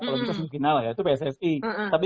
kalau bisa semakin ala ya itu pssi tapi